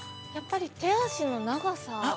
やっぱり手足の長さ。